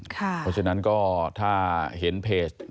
เพราะฉะนั้นก็ถ้าเห็นเพจรับบริจาค